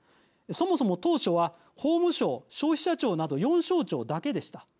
そもそも当初は法務省・消費者庁など４省庁だけでした。